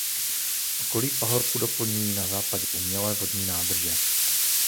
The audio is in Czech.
Okolí pahorku doplňují na západě umělé vodní nádrže.